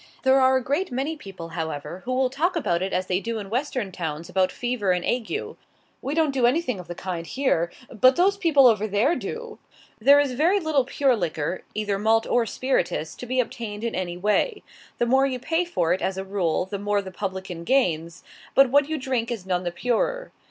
There are a great many people, however, who will talk about it as they do in Western towns about fever and ague: "We don't do anything of the kind here, but those other people over there do!" There is very little pure liquor, either malt or spirituous, to be obtained in any way. The more you pay for it, as a rule, the more the publican gains, but what you drink is none the purer.